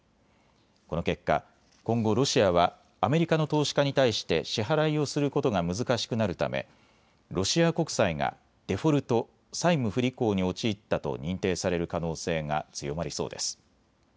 この結果、今後、ロシアはアメリカの投資家に対して支払いをすることが難しくなるためロシア国債がデフォルト・債務不履行に陥ったと認定される可能性が強まりそうです。